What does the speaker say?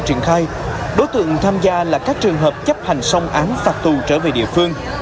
triển khai đối tượng tham gia là các trường hợp chấp hành xong án phạt tù trở về địa phương